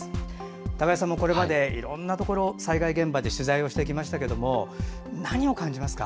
高井さんもこれまでいろんなところ、災害現場で取材をしてきましたけども何を感じますか？